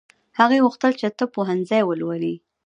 هغې غوښتل چې طب پوهنځی ولولي